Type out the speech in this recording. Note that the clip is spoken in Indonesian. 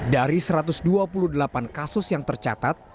dari satu ratus dua puluh delapan kasus yang tercatat